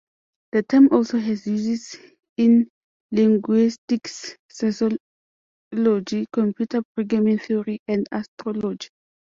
The term also has uses in linguistics, sociology, computer programming theory, and astrology.